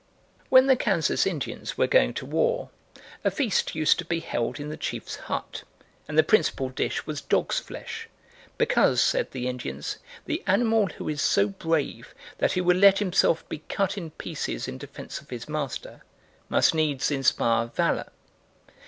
When the Kansas Indians were going to war, a feast used to be held in the chief's hut, and the principal dish was dog's flesh, because, said the Indians, the animal who is so brave that he will let himself be cut in pieces in defence of his master, must needs inspire valour.